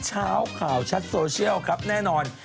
เช้าข่าวชัดโซเชียลครับแน่นอน